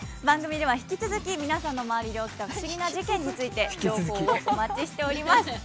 番組では引き続き皆さんの周りで起きた不思議な事件について情報をお待ちしております。